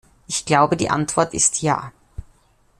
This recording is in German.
Ich glaube, die Antwort ist ja.